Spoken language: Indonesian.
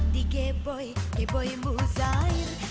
dikeboi keboi muzair